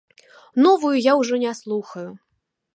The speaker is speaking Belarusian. Новую я ўжо не слухаю.